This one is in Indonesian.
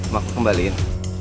mau aku kembalin